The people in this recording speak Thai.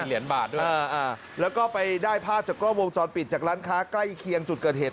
เหรียญบาทด้วยแล้วก็ไปได้ภาพจากกล้องวงจรปิดจากร้านค้าใกล้เคียงจุดเกิดเหตุ